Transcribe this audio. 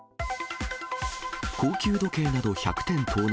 高級時計など１００点盗難。